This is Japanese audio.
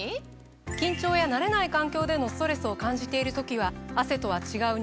緊張や慣れない環境でのストレスを感じている時は汗とは違う